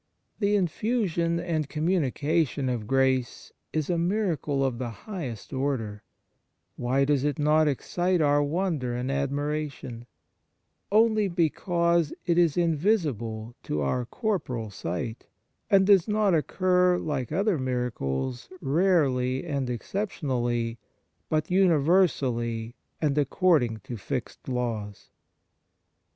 The infusion and communication of grace is a miracle of the highest order; 1 Serm. 15, de verbis Apos, 9 THE MARVELS OF DIVINE GRACE why does it not excite our wonder and admiration ? Only because it is invisible to our corporal sight, and does not occur, like other miracles, rarely and exception ally, but universally and according to fixed laws.